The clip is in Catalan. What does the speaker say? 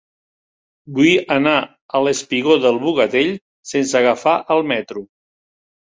Vull anar al espigó del Bogatell sense agafar el metro.